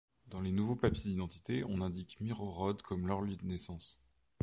Dans les nouveaux papiers d'identité on indique Myrhorod comme leur lieu de naissance.